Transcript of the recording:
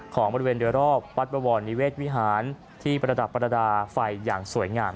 บริเวณโดยรอบวัดบวรนิเวศวิหารที่ประดับประดาษไฟอย่างสวยงาม